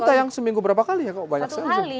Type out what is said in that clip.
tayang seminggu berapa kali ya satu kali